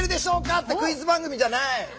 ってクイズ番組じゃない。